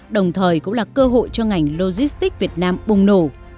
đồng thời cũng là cơ hội cho ngành logistics việt nam bùng nổ